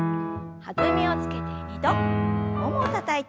弾みをつけて２度ももをたたいて。